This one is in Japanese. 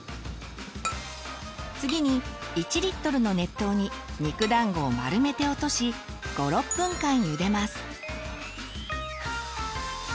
次に１リットルの熱湯に肉だんごを丸めて落とし５６分間ゆでます。